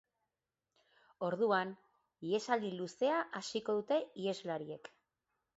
Orduan, ihesaldi luzea hasiko dute iheslariek.